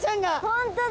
本当だ。